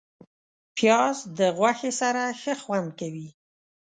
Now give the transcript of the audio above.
پیاز د غوښې سره ښه خوند کوي